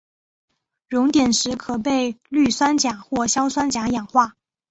熔点时可被氯酸钾或硝酸钾氧化。